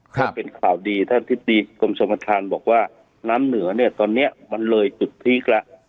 ถ้าเป็นข่าวดีท่านอธิบดีกรมชมประธานบอกว่าน้ำเหนือเนี่ยตอนนี้มันเลยจุดพีคแล้ว